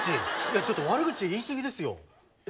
ちょっと悪口言いすぎですよ。え？